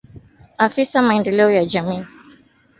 Afisa Maendeleo ya Jamii halmashauri ya Arusha Lovil Nguyaine